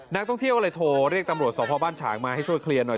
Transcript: นักท่องเที่ยวก็เลยโทรเรียกตำรวจสพบ้านฉางมาให้ช่วยเคลียร์หน่อย